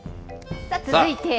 続いて。